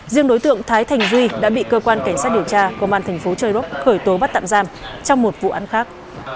riêng đối tượng thái thành duy đã bị cơ quan cảnh sát điều tra công an thành phố châu đốc khởi tố bắt tạm giam trong một vụ án khác